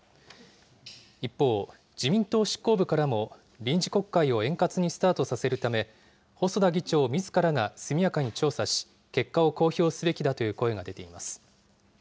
一方、自民党執行部からも、臨時国会を円滑にスタートさせるため、細田議長みずからが速やかに調査し、結果を公表すべきだという声が出ています。